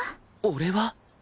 俺は？